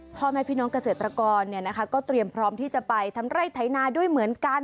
พ่อแม่พี่น้องเกษตรกรก็เตรียมพร้อมที่จะไปทำไร่ไถนาด้วยเหมือนกัน